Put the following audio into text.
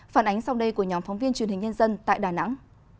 phản ánh sau đây của nhóm phóng viên truyền hình nhân dân tại đà nẵng